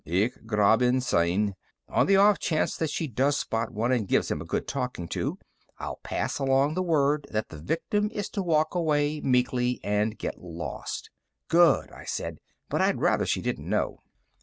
"Ich graben Sie. On the off chance that she does spot one and gives him a good talking to, I'll pass along the word that the victim is to walk away meekly and get lost." "Good," I said, "but I'd rather she didn't know."